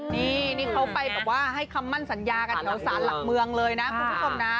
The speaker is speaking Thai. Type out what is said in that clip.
นี่นี่เขาไปแบบว่าให้คำมั่นสัญญากันแถวสารหลักเมืองเลยนะคุณผู้ชมนะ